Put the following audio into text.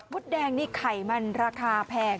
ดแดงนี่ไข่มันราคาแพง